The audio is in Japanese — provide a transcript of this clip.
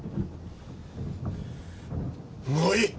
もういい！